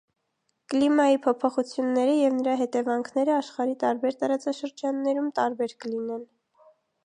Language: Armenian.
Կլիմայի փոփոխությունները և նրա հետևանքները աշխարհի տարբեր տարածաշրջաններում տարբեր կլինեն։